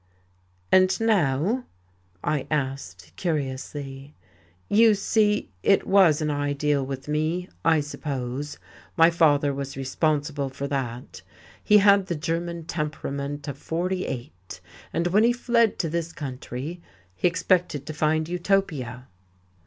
"And now" I asked curiously. "You see, it was an ideal with me, I suppose. My father was responsible for that. He had the German temperament of '48, and when he fled to this country, he expected to find Utopia."